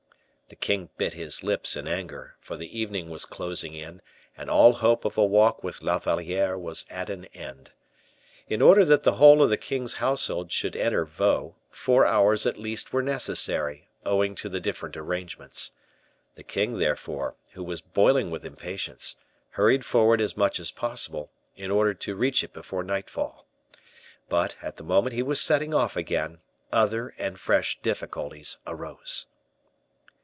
The king bit his lips in anger, for the evening was closing in, and all hope of a walk with La Valliere was at an end. In order that the whole of the king's household should enter Vaux, four hours at least were necessary, owing to the different arrangements. The king, therefore, who was boiling with impatience, hurried forward as much as possible, in order to reach it before nightfall. But, at the moment he was setting off again, other and fresh difficulties arose.